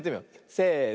せの。